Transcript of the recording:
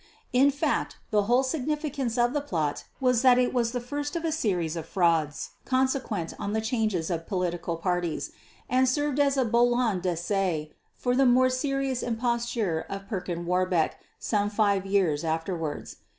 In fact the whole significance of the plot was that it was the first of a series of frauds consequent on the changes of political parties, and served as a balon d'essai for the more serious imposture of Perkin Warbeck some five years afterwards.